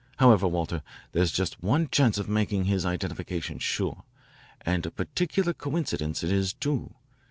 However, Walter, there's just one chance of making his identification sure, and a peculiar coincidence it is, too.